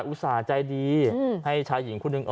อุตส่าห์ใจดีให้ชายหญิงคนหนึ่ง